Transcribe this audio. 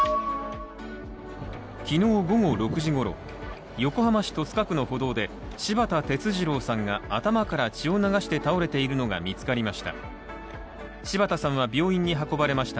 昨日午後６時ごろ、横浜市戸塚区の歩道で柴田哲二郎さんが頭から血を流して倒れているのが見つかりました。